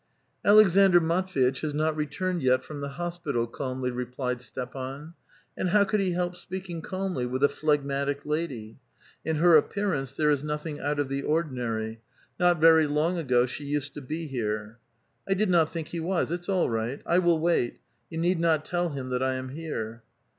'' Aleksandr Matv^itch has not returned yet from the hos pital," calmly replied Stepan ; and how could he help speak ing calmly with a phlegmatic lady ? In her appearance there is nothing out of the ordinary* ; not very long ago she used to be here. "I did not think he was; it's all right; I will wait; you need not tell him that I am here."